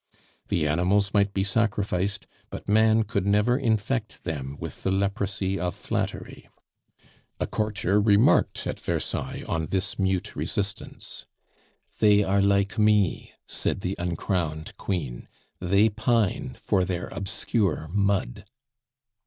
The animals might be sacrificed, but man could never infect them with the leprosy of flattery. A courtier remarked at Versailles on this mute resistance. "They are like me," said the uncrowned queen; "they pine for their obscure mud."